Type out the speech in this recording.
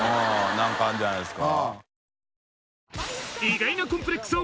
何かあるんじゃないですか？